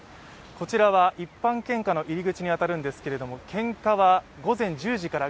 こちらは一般献花の入り口に当たるんですけど献花は午前１０時から。